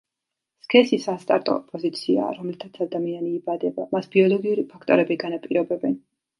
სქესი სასტარტო პოზიციაა რომლითაც ადამიანი იბადება; მას ბიოლოგიური ფაქტორები განაპირობებენ.